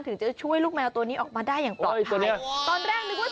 ถึงจะช่วยลูกแมวตัวนี้ออกมาได้อย่างปลอดภัย